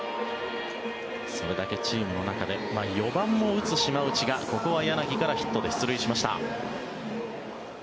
それだけチームの中で４番も打つ島内がここは柳からヒットで出塁しました。